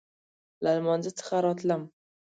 له لمانځه څخه راتلم.